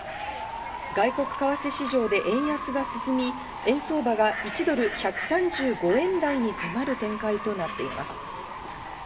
外国為替市場で円安が進み、円相場が１ドル＝１３５円台に迫る展開となっています。